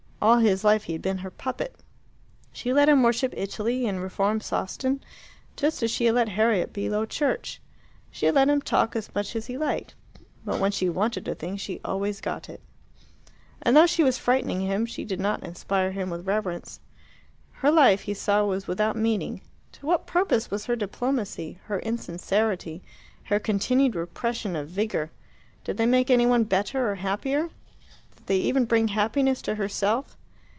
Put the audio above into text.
All his life he had been her puppet. She let him worship Italy, and reform Sawston just as she had let Harriet be Low Church. She had let him talk as much as he liked. But when she wanted a thing she always got it. And though she was frightening him, she did not inspire him with reverence. Her life, he saw, was without meaning. To what purpose was her diplomacy, her insincerity, her continued repression of vigour? Did they make any one better or happier? Did they even bring happiness to herself?